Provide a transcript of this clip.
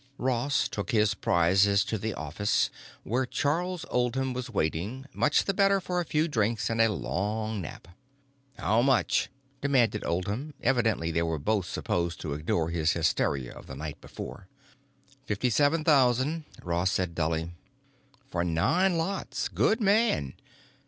Ross took his prizes to the office where Charles Oldham was waiting, much the better for a few drinks and a long nap. "How much?" demanded Oldham. Evidently they were both supposed to ignore his hysteria of the night before. "Fifty seven thousand," Ross said dully. "For nine lots? Good man!